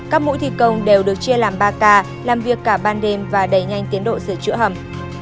các mũi thi công đều được chia làm ba k làm việc cả ban đêm và đẩy nhanh tiến độ sửa chữa hầm